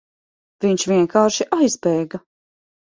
Viņš vienkārši aizbēga.